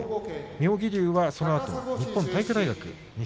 妙義龍はそのあと日本体育大学。